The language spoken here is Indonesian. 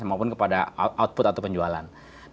maupun kepada output atau penjualan